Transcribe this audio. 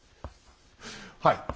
はい